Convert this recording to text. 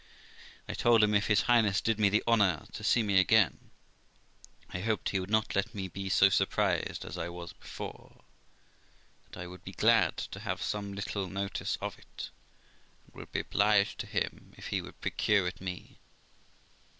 I told him, if his Highness did me the honour to see me again, I hoped he would not let me be so surprised as I was before; that I would be glad to have some little notice of it, and would be obliged to him if he would procure it me.